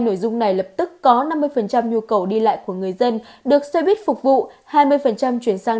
nội dung này lập tức có năm mươi nhu cầu đi lại của người dân được xe buýt phục vụ hai mươi chuyển sang